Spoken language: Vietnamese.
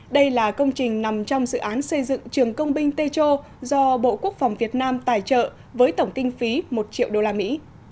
đây là công trình nằm trong dự án xây dựng trường công binh tê châu do bộ quốc phòng việt nam tài trợ với tổng kinh phí một triệu đô la mỹ